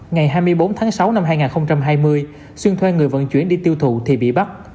ngày hai mươi bốn tháng sáu năm hai nghìn hai mươi xuyên thuê người vận chuyển đi tiêu thụ thì bị bắt